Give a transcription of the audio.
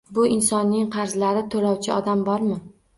Bu insonning qarzlarini toʻlovchi odam bormi?